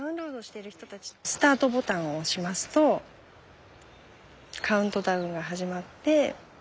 スタートボタンを押しますとカウントダウンが始まって。